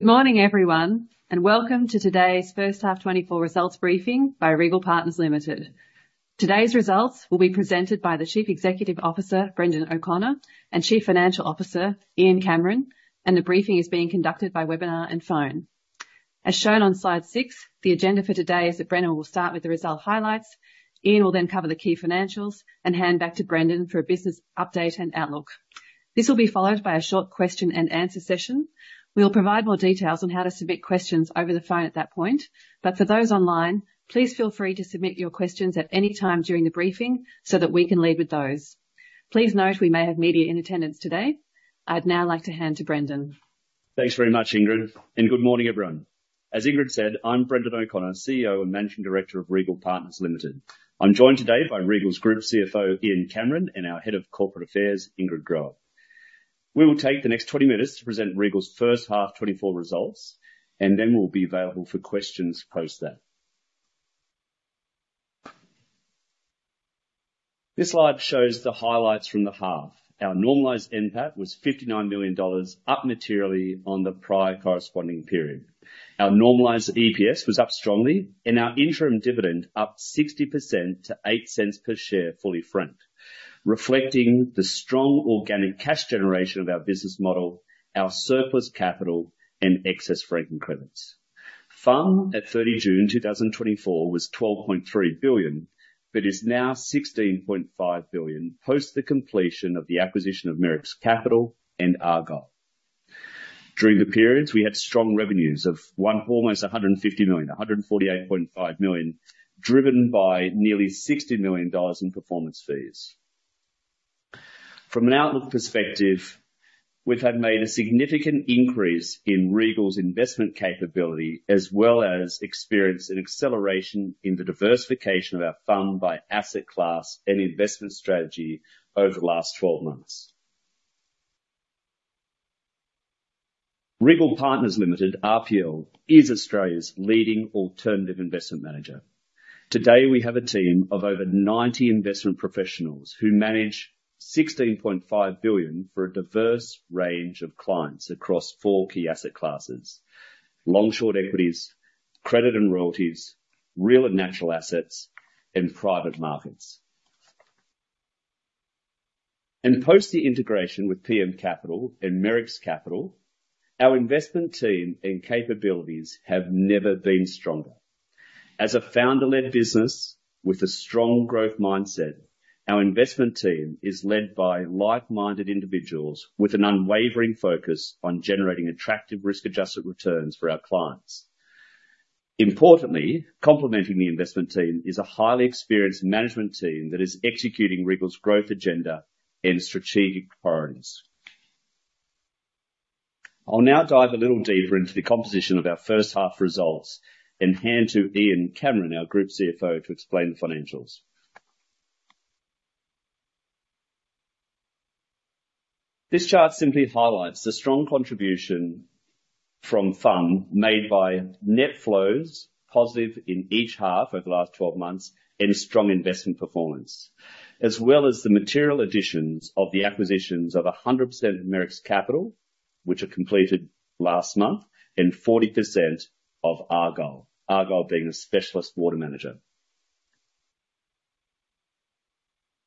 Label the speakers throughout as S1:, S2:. S1: Good morning, everyone, and welcome to today's first half 2024 results briefing by Regal Partners Limited. Today's results will be presented by the Chief Executive Officer, Brendan O'Connor, and Chief Financial Officer, Ian Cameron, and the briefing is being conducted by webinar and phone. As shown on slide six, the agenda for today is that Brendan will start with the result highlights, Ian will then cover the key financials and hand back to Brendan for a business update and outlook. This will be followed by a short question and answer session. We'll provide more details on how to submit questions over the phone at that point, but for those online, please feel free to submit your questions at any time during the briefing so that we can lead with those. Please note, we may have media in attendance today. I'd now like to hand to Brendan.
S2: Thanks very much, Ingrid, and good morning, everyone. As Ingrid said, I'm Brendan O'Connor, CEO and Managing Director of Regal Partners Limited. I'm joined today by Regal's Group CFO, Ian Cameron, and our Head of Corporate Affairs, Ingrid Groer. We will take the next 20 minutes to present Regal's first half 2024 results, and then we'll be available for questions post that. This slide shows the highlights from the half. Our normalized NPAT was 59 million dollars, up materially on the prior corresponding period. Our normalized EPS was up strongly, and our interim dividend up 60% to 0.08 per share, fully franked, reflecting the strong organic cash generation of our business model, our surplus capital, and excess franking credits. FUM at 30 June 2024 was 12.3 billion, but is now 16.5 billion, post the completion of the acquisition of Merricks Capital and Argyle Capital Partners. During the periods, we had strong revenues of a hundred and forty-eight point five million, driven by nearly 60 million dollars in performance fees. From an outlook perspective, we've had made a significant increase in Regal's investment capability, as well as experienced an acceleration in the diversification of our FUM by asset class and investment strategy over the last twelve months. Regal Partners Limited, RPL, is Australia's leading alternative investment manager. Today, we have a team of over 90 investment professionals, who manage 16.5 billion for a diverse range of clients across four key asset classes: long-short equities, credit and royalties, real and natural assets, and private markets. Post the integration with PM Capital and Merricks Capital, our investment team and capabilities have never been stronger. As a founder-led business with a strong growth mindset, our investment team is led by like-minded individuals with an unwavering focus on generating attractive risk-adjusted returns for our clients. Importantly, complementing the investment team is a highly experienced management team that is executing Regal's growth agenda and strategic priorities. I'll now dive a little deeper into the composition of our first half results and hand to Ian Cameron, our Group CFO, to explain the financials. This chart simply highlights the strong contribution from FUM made by net flows, positive in each half over the last 12 months, and strong investment performance, as well as the material additions of the acquisitions of 100% of Merricks Capital, which were completed last month, and 40% of Argyle. Argyle being a specialist water manager.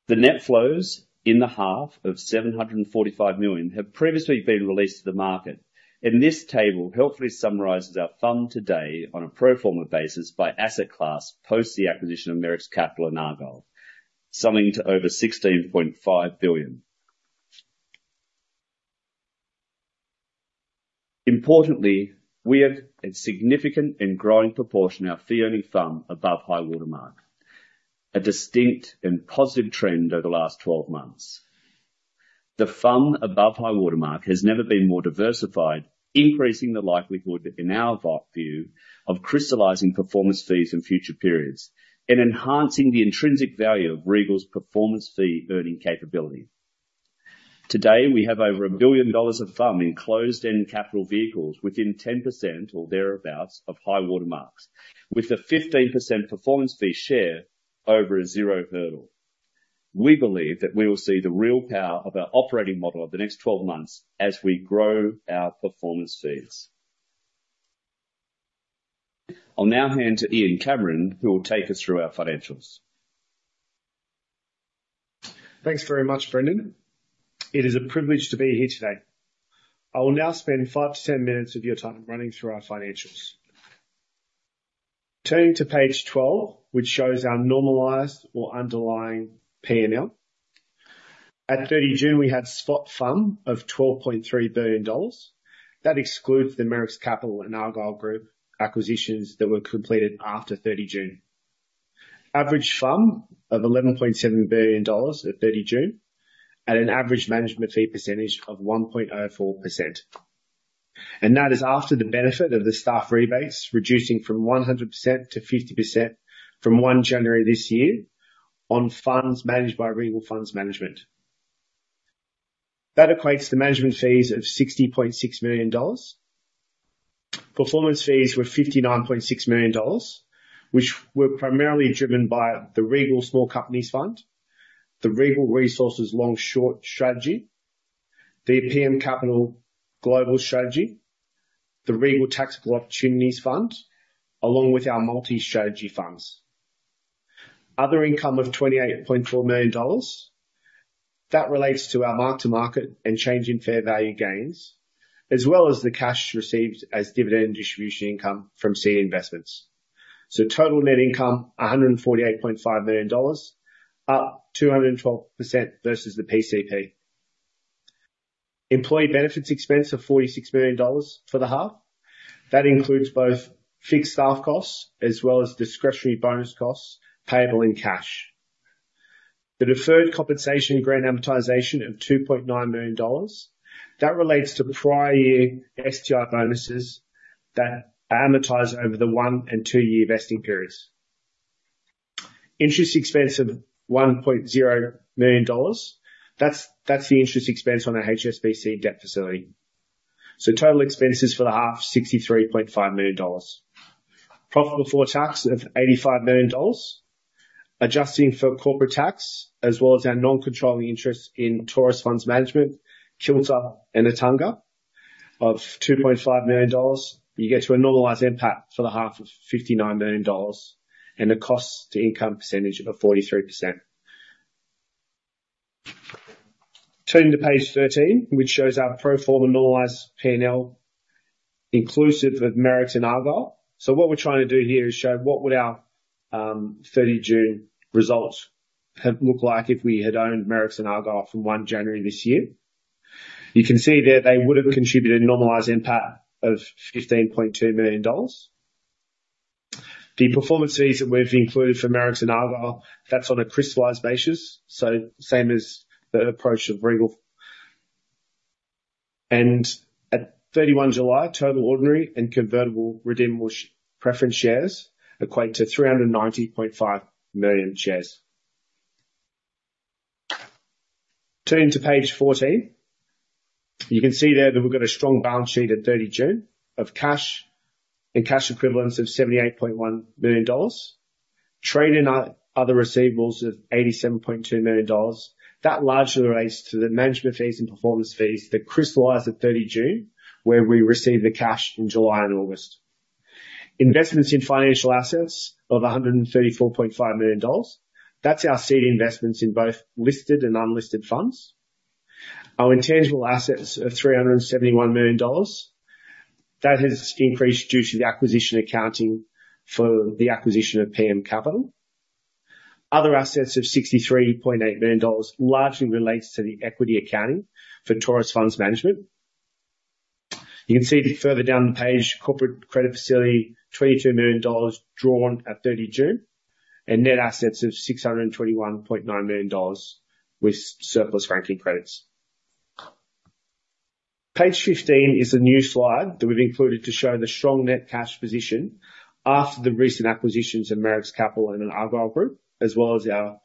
S2: The net flows in the half, of 745 million, have previously been released to the market, and this table helpfully summarizes our FUM today on a pro forma basis by asset class, post the acquisition of Merricks Capital and Argyle, summing to over AUD 16.5 billion. Importantly, we have a significant and growing proportion of our fee-earning FUM above high water mark, a distinct and positive trend over the last twelve months. The FUM above high water mark has never been more diversified, increasing the likelihood that, in our view, of crystallizing performance fees in future periods and enhancing the intrinsic value of Regal's performance fee-earning capability. Today, we have over 1 billion dollars of FUM in closed-end capital vehicles within 10% or thereabouts of high water marks, with the 15% performance fee share over a zero hurdle. We believe that we will see the real power of our operating model over the next twelve months as we grow our performance fees. I'll now hand to Ian Cameron, who will take us through our financials.
S3: Thanks very much, Brendan. It is a privilege to be here today. I will now spend five to 10 minutes of your time running through our financials. Turning to page 12, which shows our normalized or underlying P&L. At 30 June, we had spot FUM of AUD 12.3 billion. That excludes the Merricks Capital and Argyle Capital Partners acquisitions that were completed after 30 June. Average FUM of 11.7 billion dollars at 30 June, at an average management fee percentage of 1.04%, and that is after the benefit of the staff rebates, reducing from 100% to 50% from 1 January this year on funds managed by Regal Funds Management. That equates to management fees of 60.6 million dollars. Performance fees were 59.6 million dollars, which were primarily driven by the Regal Small Companies Fund, the Regal Resources Long Short Strategy, the PM Capital Global Strategy, the Regal Tactical Opportunities Fund, along with our multi-strategy funds. Other income of 28.4 million dollars, that relates to our mark-to-market and change in fair value gains, as well as the cash received as dividend distribution income from seed investments. Total net income, 148.5 million dollars, up 212% versus the PCP. Employee benefits expense of 46 million dollars for the half. That includes both fixed staff costs as well as discretionary bonus costs payable in cash. The deferred compensation grant amortization of 2.9 million dollars, that relates to the prior year STI bonuses that amortize over the one- and two-year vesting periods. Interest expense of 1.0 million dollars, that's, that's the interest expense on our HSBC debt facility. So total expenses for the half, 63.5 million dollars. Profit before tax of 85 million dollars, adjusting for corporate tax, as well as our non-controlling interest in Taurus Funds Management, Kilter Rural and Attunga Capital of 2.5 million dollars, you get to a normalized NPAT for the half of 59 million dollars, and a cost to income percentage of 43%. Turning to page 13, which shows our pro forma normalized P&L, inclusive of Merricks Capital and Argyle Capital Partners. So what we're trying to do here is show what would our 30 June results have looked like if we had owned Merricks Capital and Argyle Capital Partners from 1 January this year. You can see there, they would have contributed a normalized NPAT of 15.2 million dollars. The performance fees that we've included for Merricks and Argyle, that's on a crystallized basis, so same as the approach of Regal. At 31 July, total ordinary and convertible redeemable preference shares equate to 390.5 million shares. Turning to page 14, you can see there that we've got a strong balance sheet at 30 June, of cash and cash equivalents of 78.1 million dollars, trade and other receivables of 87.2 million dollars. That largely relates to the management fees and performance fees that crystallized at 30 June, where we received the cash in July and August. Investments in financial assets of 134.5 million dollars, that's our seed investments in both listed and unlisted funds. Our intangible assets of 371 million dollars, that has increased due to the acquisition accounting for the acquisition of PM Capital. Other assets of 63.8 million dollars, largely relates to the equity accounting for Taurus Funds Management. You can see a bit further down the page, corporate credit facility, 22 million dollars, drawn at 30 June, and net assets of 621.9 million dollars with surplus franking credits. Page 15 is a new slide that we've included to show the strong net cash position after the recent acquisitions of Merricks Capital and the Argyle Group, as well as our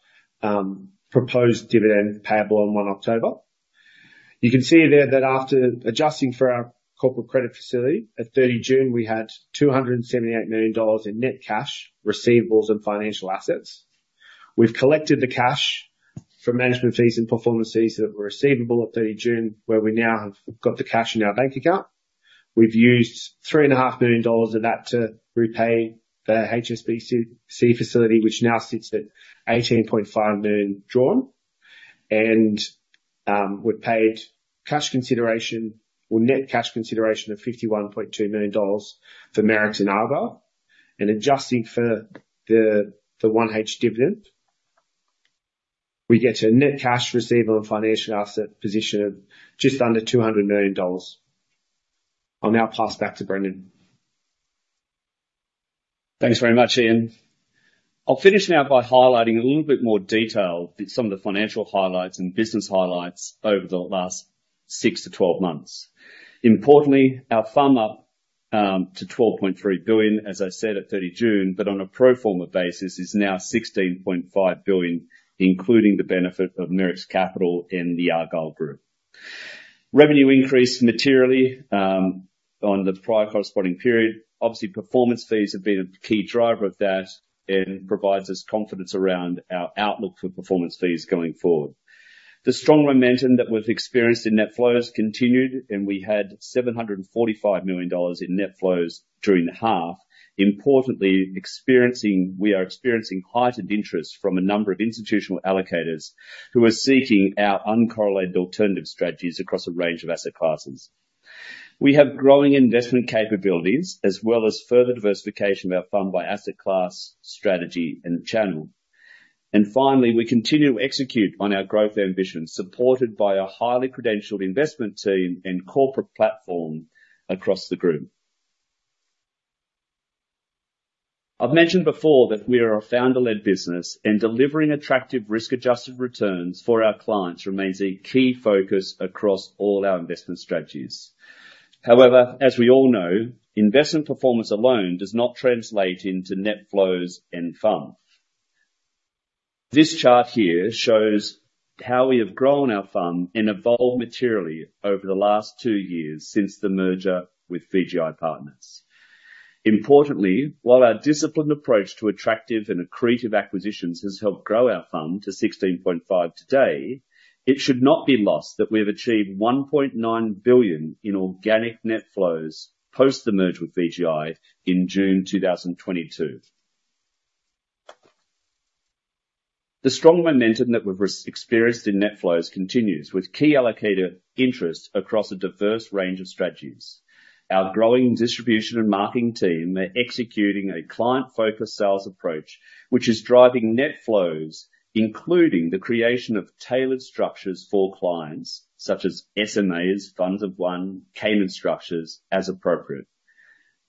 S3: proposed dividend payable on 1 October. You can see there that after adjusting for our corporate credit facility, at 30 June, we had 278 million dollars in net cash, receivables, and financial assets. We've collected the cash from management fees and performance fees that were receivable at 30 June, where we now have got the cash in our bank account. We've used 3.5 million dollars of that to repay the HSBC facility, which now sits at 18.5 million drawn. And we've paid cash consideration or net cash consideration of 51.2 million dollars for Merricks and Argyle, and adjusting for the 1H dividend, we get a net cash receivable and financial asset position of just under 200 million dollars. I'll now pass back to Brendan.
S2: Thanks very much, Ian. I'll finish now by highlighting in a little bit more detail some of the financial highlights and business highlights over the last six to 12 months. Importantly, our FUM up to 12.3 billion, as I said, at 30 June, but on a pro forma basis, is now 16.5 billion, including the benefit of Merricks Capital and the Argyle Group. Revenue increased materially on the prior corresponding period. Obviously, performance fees have been a key driver of that and provides us confidence around our outlook for performance fees going forward. The strong momentum that we've experienced in net flows continued, and we had 745 million dollars in net flows during the half. Importantly, we are experiencing heightened interest from a number of institutional allocators, who are seeking our uncorrelated alternative strategies across a range of asset classes. We have growing investment capabilities, as well as further diversification of our FUM by asset class, strategy, and channel. And finally, we continue to execute on our growth ambitions, supported by a highly credentialed investment team and corporate platform across the group. I've mentioned before that we are a founder-led business, and delivering attractive risk-adjusted returns for our clients remains a key focus across all our investment strategies. However, as we all know, investment performance alone does not translate into net flows and FUM. This chart here shows how we have grown our firm and evolved materially over the last two years since the merger with VGI Partners. Importantly, while our disciplined approach to attractive and accretive acquisitions has helped grow our firm to 16.5 billion today, it should not be lost that we have achieved 1.9 billion in organic net flows post the merger with VGI in June 2022. The strong momentum that we've re-experienced in net flows continues, with key allocator interest across a diverse range of strategies. Our growing distribution and marketing team are executing a client-focused sales approach, which is driving net flows, including the creation of tailored structures for clients such as SMAs, Funds of One, Cayman structures as appropriate.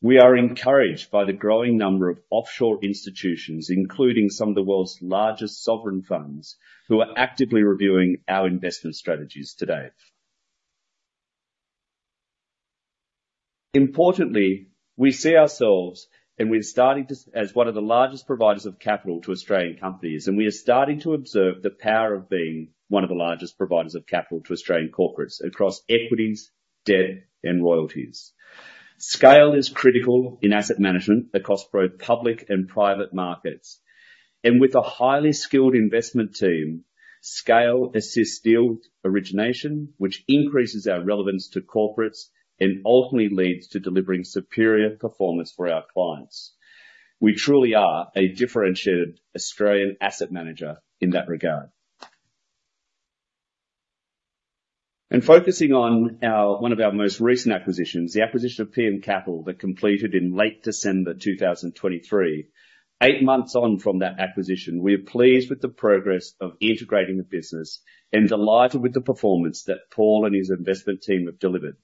S2: We are encouraged by the growing number of offshore institutions, including some of the world's largest sovereign funds, who are actively reviewing our investment strategies today. Importantly, we see ourselves, and we're starting to, as one of the largest providers of capital to Australian companies, and we are starting to observe the power of being one of the largest providers of capital to Australian corporates across equities, debt, and royalties. Scale is critical in asset management across both public and private markets, and with a highly skilled investment team, scale assists deal origination, which increases our relevance to corporates and ultimately leads to delivering superior performance for our clients. We truly are a differentiated Australian asset manager in that regard, and focusing on our one of our most recent acquisitions, the acquisition of PM Capital, that completed in late December 2023. Eight months on from that acquisition, we are pleased with the progress of integrating the business and delighted with the performance that Paul and his investment team have delivered.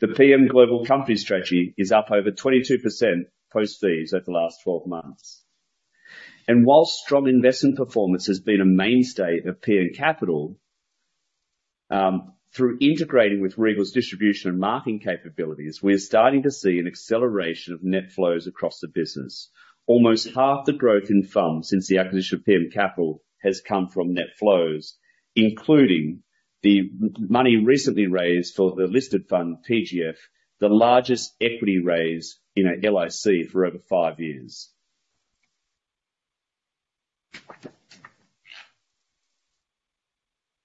S2: The PM Global Companies strategy is up over 22% post fees over the last 12 months, and while strong investment performance has been a mainstay of PM Capital, through integrating with Regal's distribution and marketing capabilities, we're starting to see an acceleration of net flows across the business. Almost half the growth in funds since the acquisition of PM Capital has come from net flows, including the money recently raised for the listed fund, PGF, the largest equity raise in our LIC for over 5 years.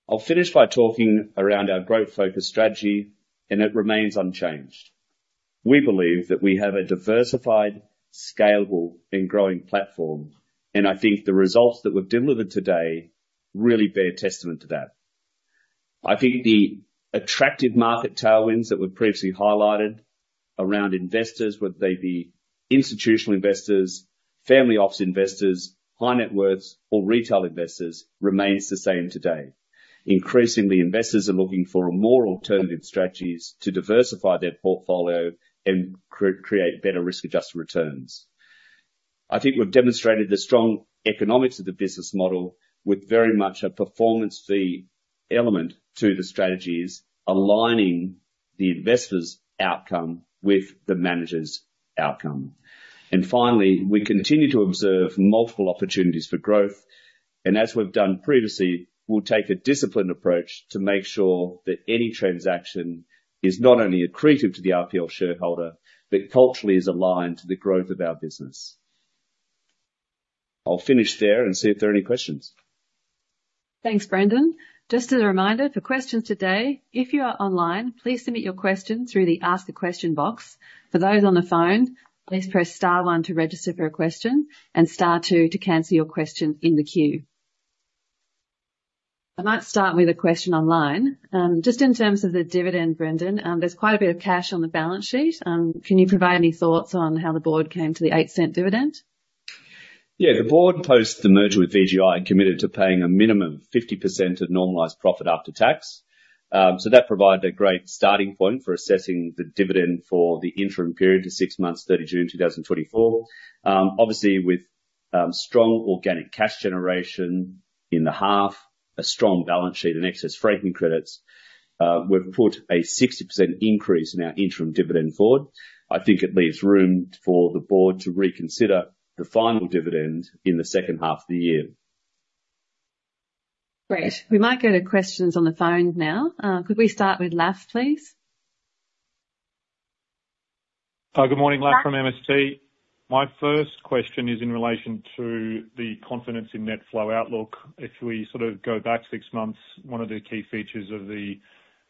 S2: I'll finish by talking around our growth-focused strategy, and it remains unchanged. We believe that we have a diversified, scalable, and growing platform, and I think the results that we've delivered today really bear testament to that. I think the attractive market tailwinds that we've previously highlighted around investors, whether they be institutional investors, family office investors, high net worths, or retail investors, remains the same today. Increasingly, investors are looking for more alternative strategies to diversify their portfolio and create better risk-adjusted returns. I think we've demonstrated the strong economics of the business model with very much a performance fee element to the strategies, aligning the investor's outcome with the manager's outcome. And finally, we continue to observe multiple opportunities for growth, and as we've done previously, we'll take a disciplined approach to make sure that any transaction is not only accretive to the RPL shareholder, but culturally is aligned to the growth of our business. I'll finish there and see if there are any questions.
S1: Thanks, Brendan. Just as a reminder, for questions today, if you are online, please submit your question through the Ask the Question box. For those on the phone, please press star one to register for a question and star two to cancel your question in the queue. I might start with a question online. Just in terms of the dividend, Brendan, there's quite a bit of cash on the balance sheet. Can you provide any thoughts on how the board came to the 0.08 dividend?
S2: Yeah, the board, post the merger with VGI, committed to paying a minimum of 50% of normalized profit after tax. So that provided a great starting point for assessing the dividend for the interim period to six months, 30 June, 2024. Obviously, with strong organic cash generation in the half, a strong balance sheet and excess franking credits, we've put a 60% increase in our interim dividend forward. I think it leaves room for the board to reconsider the final dividend in the second half of the year.
S1: Great. We might go to questions on the phone now. Could we start with Lach, please? Good morning. Lach from MST. My first question is in relation to the confidence in net flow outlook. If we sort of go back six months, one of the key features of the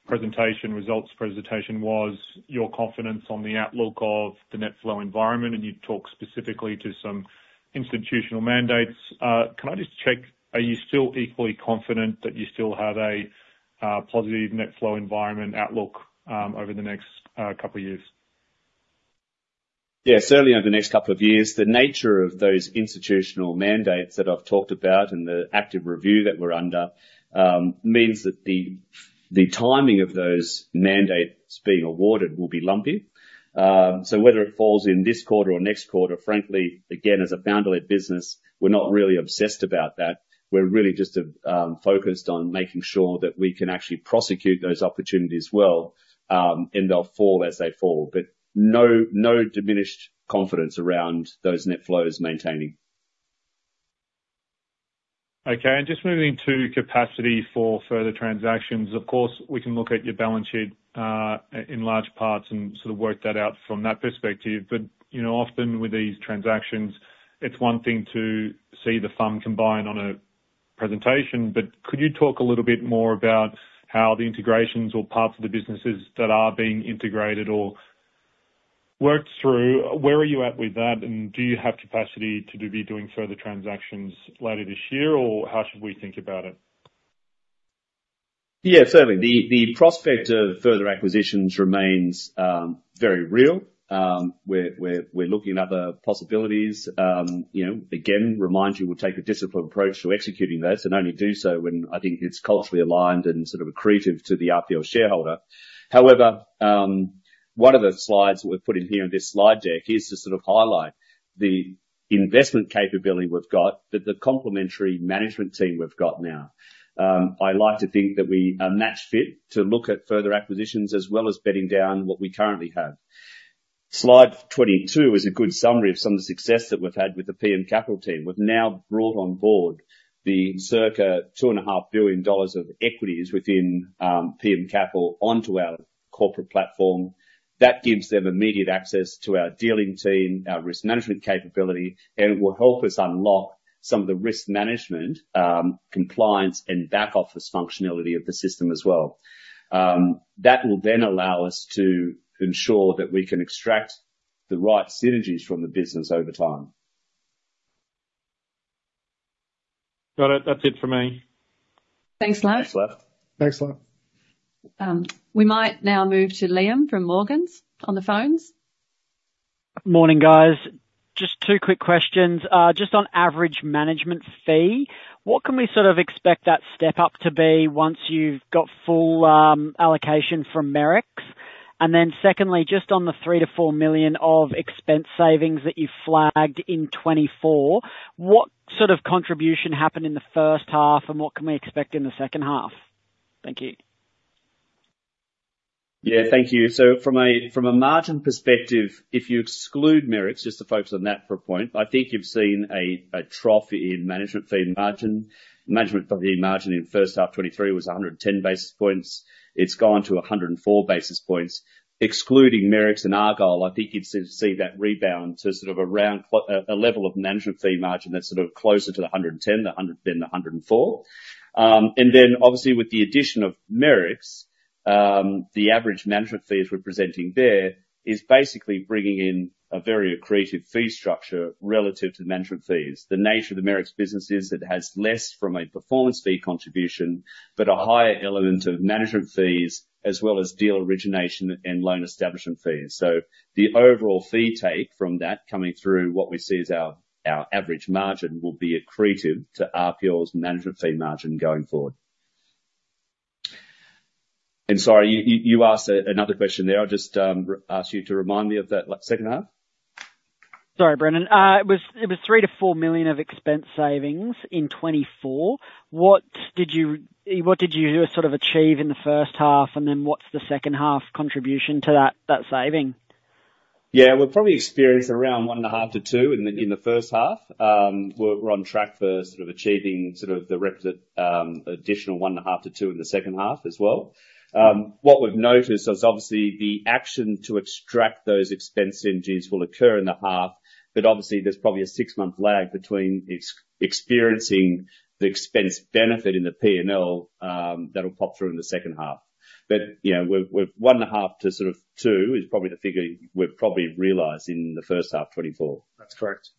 S1: presentation, results presentation, was your confidence on the outlook of the net flow environment, and you talked specifically to some institutional mandates. Can I just check, are you still equally confident that you still have a positive net flow environment outlook over the next couple of years?
S2: Yeah, certainly over the next couple of years, the nature of those institutional mandates that I've talked about and the active review that we're under means that the timing of those mandates being awarded will be lumpy. So whether it falls in this quarter or next quarter, frankly, again, as a founder-led business, we're not really obsessed about that. We're really just focused on making sure that we can actually prosecute those opportunities well, and they'll fall as they fall. But no, no diminished confidence around those net flows maintaining.... Okay, and just moving to capacity for further transactions. Of course, we can look at your balance sheet, in large parts and sort of work that out from that perspective, but, you know, often with these transactions, it's one thing to see the fund combined on a presentation, but could you talk a little bit more about how the integrations or parts of the businesses that are being integrated or worked through, where are you at with that? And do you have capacity to be doing further transactions later this year, or how should we think about it? Yeah, certainly. The prospect of further acquisitions remains very real. We're looking at other possibilities. You know, again, remind you, we'll take a disciplined approach to executing those, and only do so when I think it's culturally aligned and sort of accretive to the RPL shareholder. However, one of the slides we've put in here in this slide deck is to sort of highlight the investment capability we've got, but the complementary management team we've got now. I like to think that we are match fit to look at further acquisitions as well as bedding down what we currently have. Slide 22 is a good summary of some of the success that we've had with the PM Capital team. We've now brought on board the circa 2.5 billion dollars of equities within PM Capital onto our corporate platform. That gives them immediate access to our dealing team, our risk management capability, and it will help us unlock some of the risk management, compliance and back office functionality of the system as well. That will then allow us to ensure that we can extract the right synergies from the business over time. Got it. That's it for me.
S1: Thanks, Lach.
S2: Thanks, Lach.
S1: Thanks, Lach. We might now move to Liam from Morgans, on the phones. Morning, guys. Just two quick questions. Just on average management fee, what can we sort of expect that step up to be once you've got full allocation from Merricks? And then secondly, just on the 3-4 million of expense savings that you flagged in 2024, what sort of contribution happened in the first half, and what can we expect in the second half? Thank you.
S2: Yeah, thank you. So from a margin perspective, if you exclude Merricks, just to focus on that for a point, I think you've seen a trough in management fee margin. Management fee margin in first half 2023 was 110 basis points. It's gone to 104 basis points. Excluding Merricks and Argyle, I think you'd see that rebound to sort of around a level of management fee margin that's sort of closer to the 110, the 100, than the 104. And then obviously, with the addition of Merricks, the average management fees we're presenting there is basically bringing in a very accretive fee structure relative to management fees. The nature of the Merricks business is it has less from a performance fee contribution, but a higher element of management fees, as well as deal origination and loan establishment fees. So the overall fee take from that coming through what we see as our average margin will be accretive to RPL's management fee margin going forward. Sorry, you asked another question there. I'll just ask you to remind me of that, like, second half? Sorry, Brendan. It was 3 million-4 million of expense savings in 2024. What did you sort of achieve in the first half, and then what's the second half contribution to that saving? Yeah, we've probably experienced around one and a half to two in the first half. We're on track for sort of achieving the additional one and a half to two in the second half as well. What we've noticed is obviously the action to extract those expense synergies will occur in the half, but obviously there's probably a six-month lag between experiencing the expense benefit in the P&L, that'll pop through in the second half. But, you know, we've one and a half to sort of two is probably the figure we've probably realized in the first half 2024.
S3: That's correct.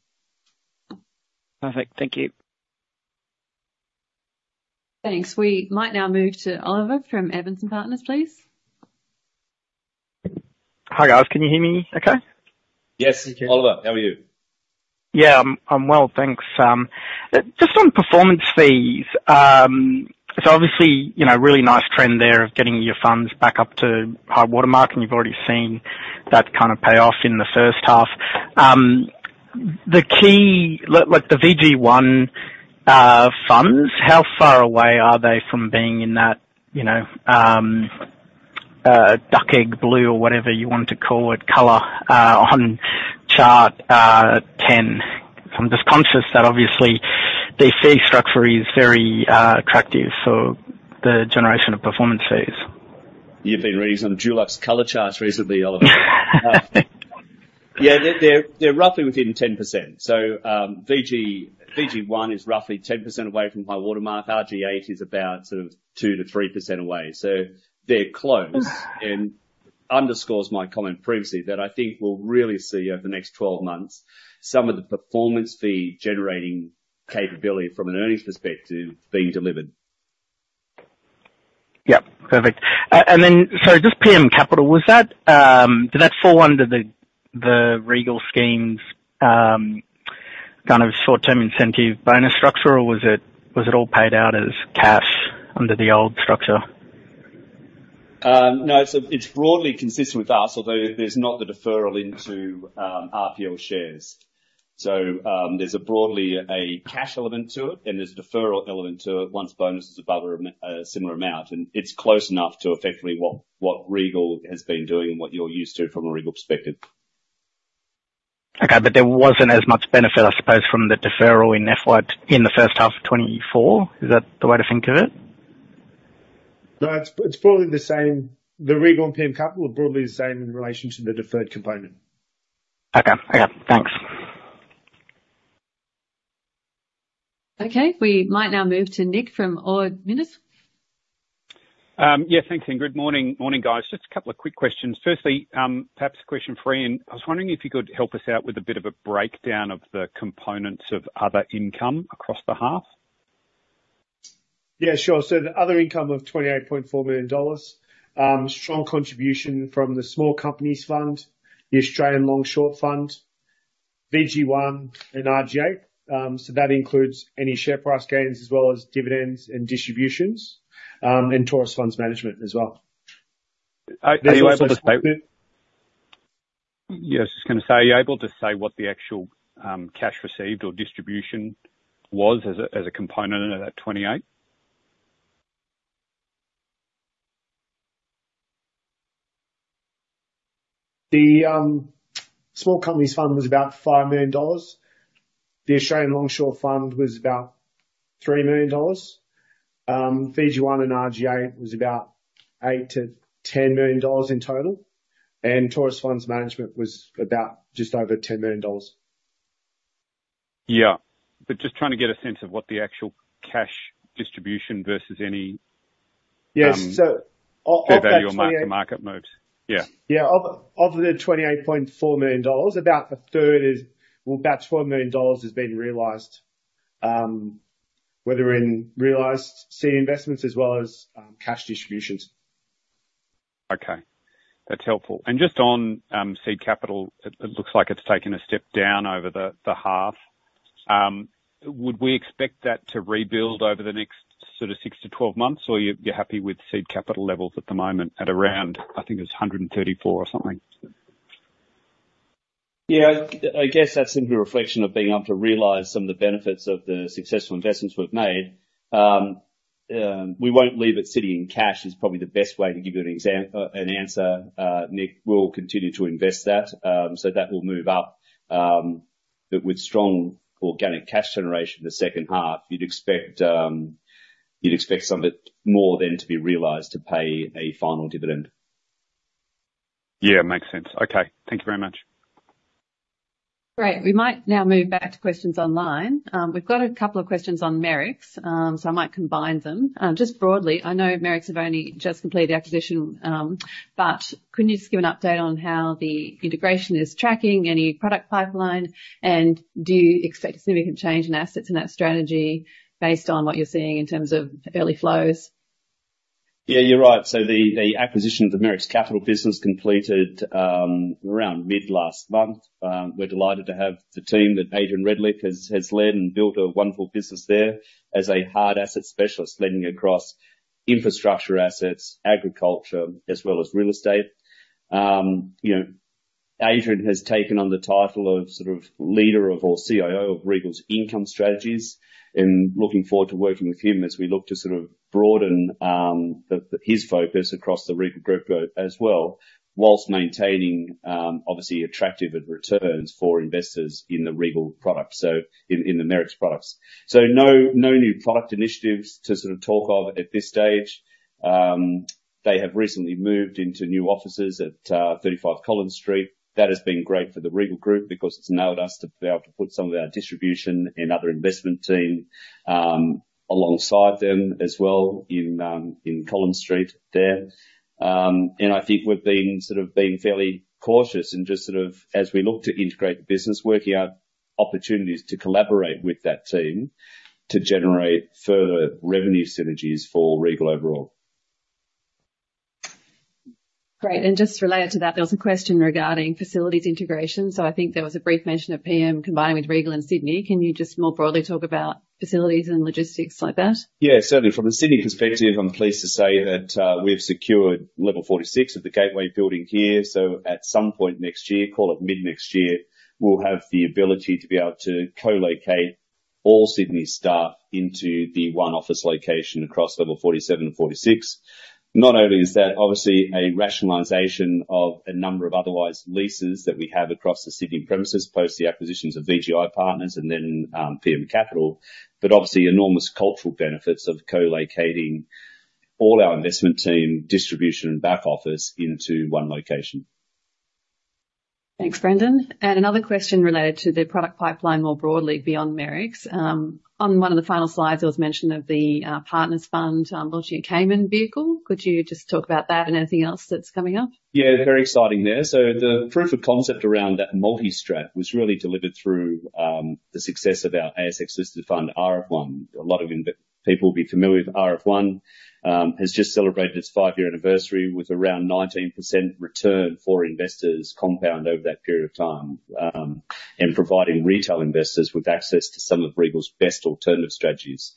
S3: Perfect. Thank you.
S1: Thanks. We might now move to Oliver from Evans and Partners, please. Hi, guys. Can you hear me okay?
S2: Yes, Oliver. How are you? Yeah, I'm well, thanks. Just on performance fees, so obviously, you know, really nice trend there of getting your funds back up to high water mark, and you've already seen that kind of pay off in the first half. Like, the VG1 funds, how far away are they from being in that, you know, duck egg blue or whatever you want to call it, color, on chart ten? I'm just conscious that obviously the fee structure is very attractive for the generation of performance fees. You've been reading some Dulux color charts recently, Oliver. Yeah, they're roughly within 10%. So, VG, VG1 is roughly 10% away from high water mark. RG8 is about sort of 2%-3% away, so they're close, and underscores my comment previously, that I think we'll really see over the next 12 months, some of the performance fee generating capability from an earnings perspective being delivered. Yep, perfect. And then, so just PM Capital, was that... Did that fall under the, the Regal schemes, kind of short-term incentive bonus structure, or was it, was it all paid out as cash under the old structure? No. So it's broadly consistent with us, although there's not the deferral into RPL shares. So, there's broadly a cash element to it, and there's a deferral element to it once bonus is above a similar amount, and it's close enough to effectively what Regal has been doing and what you're used to from a Regal perspective. ... Okay, but there wasn't as much benefit, I suppose, from the deferral in FY, in the first half of 2024? Is that the way to think of it?
S3: No, it's broadly the same. The Regal and PM Capital are broadly the same in relation to the deferred component. Okay. Okay, thanks.
S1: Okay, we might now move to Nick from Ord Minnett. Yeah, thanks, Ingrid. Morning. Morning, guys. Just a couple of quick questions. Firstly, perhaps a question for Ian. I was wondering if you could help us out with a bit of a breakdown of the components of other income across the half?
S3: Yeah, sure. So the other income of 28.4 million dollars, strong contribution from the Small Companies Fund, the Australian Long Short Fund, VG1 and RG8. So that includes any share price gains as well as dividends and distributions, and Taurus Funds Management as well. Are you able to say- Yeah. Yeah, I was just gonna say, are you able to say what the actual cash received or distribution was as a component of that 28? The Small Companies Fund was about 5 million dollars. The Australian Long Short Fund was about 3 million dollars. VG1 and RG8 was about 8 million-10 million dollars in total, and Taurus Funds Management was about just over 10 million dollars. Yeah, but just trying to get a sense of what the actual cash distribution versus any- Yeah, so off of that- Fair value mark to market moves. Yeah. Yeah. Of the 28.4 million dollars, about a third is... Well, about 12 million dollars has been realized, whether in realized seed investments as well as cash distributions. Okay, that's helpful. And just on seed capital, it looks like it's taken a step down over the half. Would we expect that to rebuild over the next sort of six to 12 months, or you're happy with seed capital levels at the moment at around, I think, it's 134 or something?
S2: Yeah. I guess that's simply a reflection of being able to realize some of the benefits of the successful investments we've made. We won't leave it sitting in cash, is probably the best way to give you an exam- an answer, Nick. We'll continue to invest that. So that will move up, but with strong organic cash generation in the second half, you'd expect some of it more than to be realized to pay a final dividend. Yeah, makes sense. Okay, thank you very much.
S1: Great! We might now move back to questions online. We've got a couple of questions on Merricks, so I might combine them. Just broadly, I know Merricks have only just completed the acquisition, but could you just give an update on how the integration is tracking, any product pipeline, and do you expect a significant change in assets in that strategy based on what you're seeing in terms of early flows?
S2: Yeah, you're right. So the acquisition of the Merricks Capital business completed around mid last month. We're delighted to have the team that Adrian Redlich has led and built a wonderful business there as a hard asset specialist, lending across infrastructure assets, agriculture, as well as real estate. You know, Adrian has taken on the title of sort of leader of, or CIO of Regal's income strategies, and looking forward to working with him as we look to sort of broaden the his focus across the Regal group growth as well, while maintaining obviously attractive returns for investors in the Regal product, so in the Merricks products. So no new product initiatives to sort of talk of at this stage. They have recently moved into new offices at 35 Collins Street. That has been great for the Regal Group, because it's enabled us to be able to put some of our distribution and other investment team, alongside them as well, in Collins Street there. And I think we've been sort of being fairly cautious and just sort of as we look to integrate the business, working out opportunities to collaborate with that team to generate further revenue synergies for Regal overall.
S1: Great. And just related to that, there was a question regarding facilities integration, so I think there was a brief mention of PM combining with Regal in Sydney. Can you just more broadly talk about facilities and logistics like that?
S2: Yeah, certainly. From a Sydney perspective, I'm pleased to say that, we've secured level 46 of the Gateway building here. So at some point next year, call it mid next year, we'll have the ability to be able to co-locate all Sydney staff into the one office location across level 47 and 46. Not only is that obviously a rationalization of a number of otherwise leases that we have across the Sydney premises, post the acquisitions of VGI Partners and then, PM Capital, but obviously enormous cultural benefits of co-locating all our investment team, distribution, and back office into one location.
S1: Thanks, Brendan. And another question related to the product pipeline more broadly beyond Merricks. On one of the final slides, there was mention of the partners fund launching a Cayman vehicle. Could you just talk about that and anything else that's coming up?
S2: Yeah, very exciting there. So the proof of concept around that multi-strat was really delivered through the success of our ASX listed fund, RF1. A lot of people will be familiar with RF1. It has just celebrated its five-year anniversary with around 19% return for investors compound over that period of time, and providing retail investors with access to some of Regal's best alternative strategies.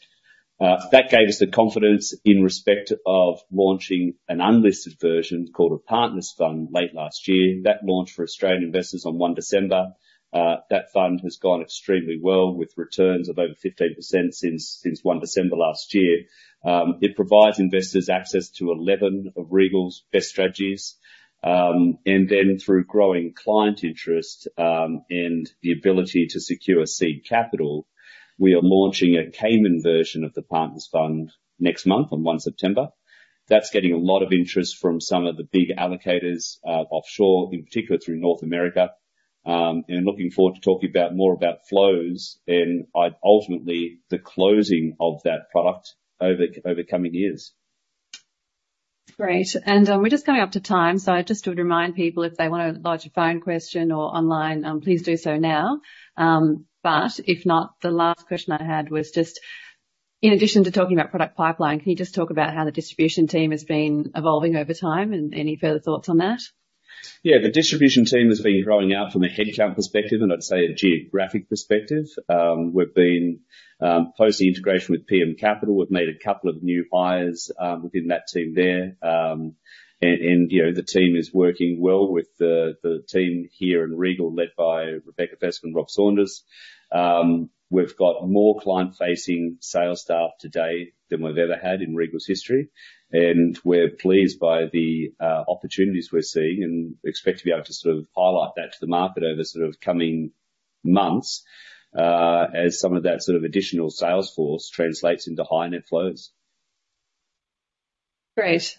S2: That gave us the confidence in respect of launching an unlisted version, called a partners fund, late last year. That launched for Australian investors on 1 December. That fund has gone extremely well with returns of over 15% since 1 December last year. It provides investors access to 11 of Regal's best strategies. And then through growing client interest, and the ability to secure seed capital, we are launching a Cayman version of the partners fund next month, on 1 September. That's getting a lot of interest from some of the big allocators, offshore, in particular through North America. And looking forward to talking about more about flows and ultimately the closing of that product over the coming years.
S1: Great. And, we're just coming up to time, so I just would remind people, if they want to lodge a phone question or online, please do so now. But if not, the last question I had was just, in addition to talking about product pipeline, can you just talk about how the distribution team has been evolving over time, and any further thoughts on that?
S2: Yeah, the distribution team has been growing out from a headcount perspective, and I'd say a geographic perspective. We've been, post the integration with PM Capital, we've made a couple of new hires within that team there. And, you know, the team is working well with the team here in Regal, led by Rebecca Fesq and Rob Saunders. We've got more client-facing sales staff today than we've ever had in Regal's history, and we're pleased by the opportunities we're seeing, and we expect to be able to sort of highlight that to the market over the sort of coming months, as some of that sort of additional sales force translates into high net flows.
S1: Great.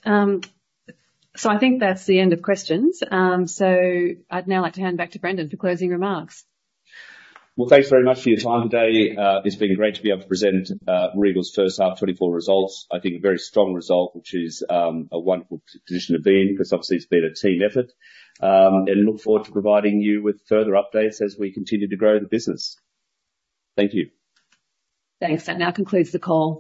S1: So I think that's the end of questions. So I'd now like to hand back to Brendan for closing remarks.
S2: Well, thanks very much for your time today. It's been great to be able to present Regal's first half 2024 results. I think a very strong result, which is a wonderful position to be in, because obviously it's been a team effort, and look forward to providing you with further updates as we continue to grow the business. Thank you.
S1: Thanks. That now concludes the call.